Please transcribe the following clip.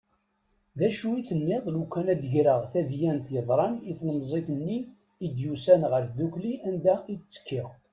D acu i tenniḍ lukan ad greɣ tadyant yeḍran i tlemẓit-nni i d-yusan ɣer tddukli anda i ttekkiɣ.